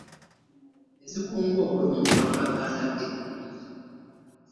Ezikugwa obulungi bakulaga ndage .